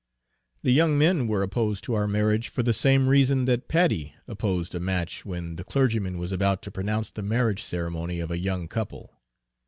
The young men were opposed to our marriage for the same reason that Paddy opposed a match when the clergyman was about to pronounce the marriage ceremony of a young couple.